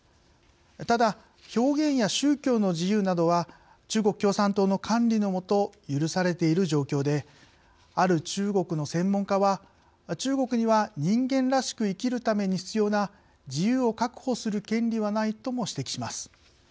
ただ、表現や宗教の自由などは中国共産党の管理の下許されている状況である中国の専門家は中国には人間らしく生きるために必要な自由を確保する権利はないとも指摘します。